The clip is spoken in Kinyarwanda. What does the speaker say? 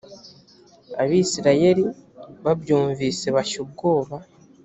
abisirayeli babyumvise bashya ubwoba